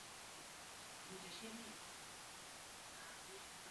Je pro mírové řešení konfliktu na Ukrajině a pro vyjednávání s Ruskem.